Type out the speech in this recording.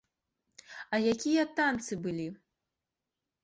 А якія танцы былі!